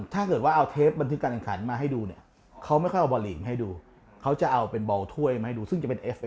ถ้าเกิดว่าเอาเทปบันทึกการศักดิ์ขันมาให้ดูเนี่ย